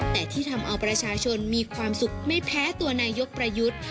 แต่ที่ทำเอาประชาชนมีความสุขไม่แพ้ตัวนายกประยุทธ์